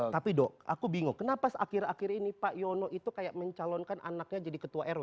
tapi dok aku bingung kenapa akhir akhir ini pak yono itu kayak mencalonkan anaknya jadi ketua rw